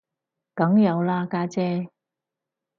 梗有啦家姐